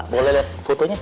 boleh lihat fotonya